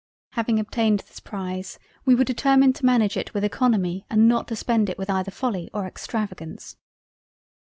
Having obtained this prize we were determined to manage it with eoconomy and not to spend it either with folly or Extravagance.